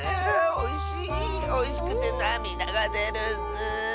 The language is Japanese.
おいしくてなみだがでるッス！